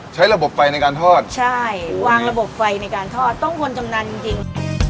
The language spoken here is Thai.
ใช้ระบบไฟในการทอดใช่วางระบบไฟในการทอดต้องคนชำนาญจริงจริง